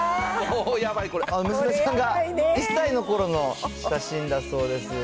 娘さんが１歳のころの写真だそうです。